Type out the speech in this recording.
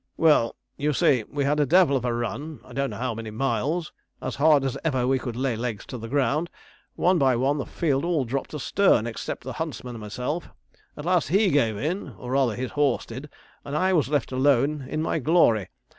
'Well, you see we had a devil of a run I don't know how many miles, as hard as ever we could lay legs to the ground; one by one the field all dropped astern, except the huntsman and myself. At last he gave in, or rather his horse did, and I was left alone in my glory.